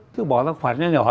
cứ bỏ ra khoản nha nhỏ